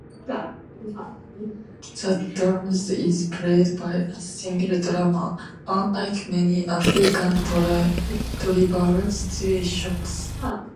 The drumset is played by a single drummer, unlike many African tribal situations.